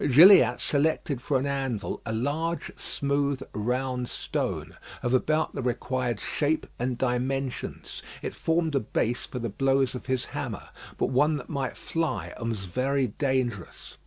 Gilliatt selected for an anvil a large smooth round stone, of about the required shape and dimensions. It formed a base for the blows of his hammer; but one that might fly and was very dangerous.